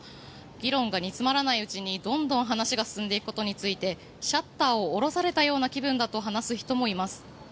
議論が煮詰まらないうちにどんどん話が進んでいくことについてシャッターを下ろされたような気分だと話す人もいます。